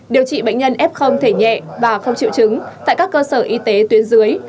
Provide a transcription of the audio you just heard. điều trị bệnh nhân f thể nhẹ và không triệu chứng tại các cơ sở y tế tuyến dưới